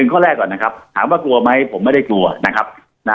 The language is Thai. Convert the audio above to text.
ข้อแรกก่อนนะครับถามว่ากลัวไหมผมไม่ได้กลัวนะครับนะ